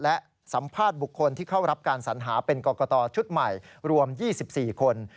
และสัมภาษณ์บุคคลที่เข้ารับการสัญหาเป็นกรกตชุดใหม่รวม๒๔คน